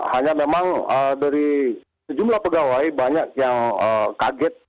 hanya memang dari sejumlah pegawai banyak yang kaget